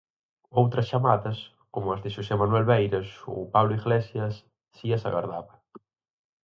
Outras chamadas, como as de Xosé Manuel Beiras ou Pablo Iglesias, si as agardaba.